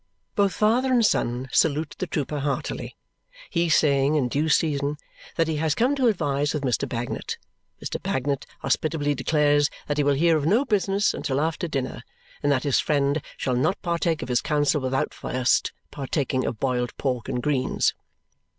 Both father and son salute the trooper heartily. He saying, in due season, that he has come to advise with Mr. Bagnet, Mr. Bagnet hospitably declares that he will hear of no business until after dinner and that his friend shall not partake of his counsel without first partaking of boiled pork and greens.